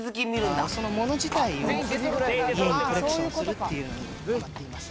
その物自体を家にコレクションするっていうのにハマっています